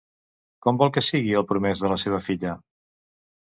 Com vol que sigui el promès de la seva filla?